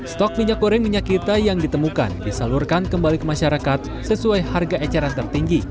stok minyak goreng minyak kita yang ditemukan disalurkan kembali ke masyarakat sesuai harga eceran tertinggi